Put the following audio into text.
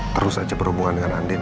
terus aja berhubungan dengan andin